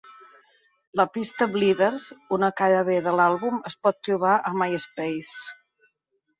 La pista "Bleeders", una cara B de l'àlbum, es pot trobar a MySpace.